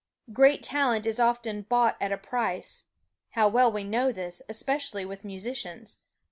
Great talent is often bought at a price how well we know this, especially with musicians!